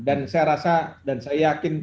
dan saya rasa dan saya yakin